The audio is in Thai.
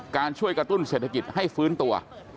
ช่วยกระตุ้นเศรษฐกิจให้ฟื้นตัว